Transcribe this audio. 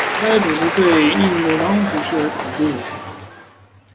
该组织被印度当局视为恐怖组织。